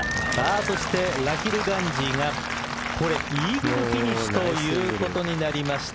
そしてラヒル・ガンジーがイーグルフィニッシュということになりました。